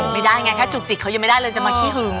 ไม่ได้ไงแค่จุกจิกเขายังไม่ได้เลยจะมาขี้หึง